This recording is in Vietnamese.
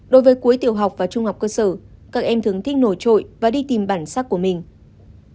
đối với cuối tiểu học và trung học cơ sở các em thường thích nổi trội và đi tìm bản sắc của mình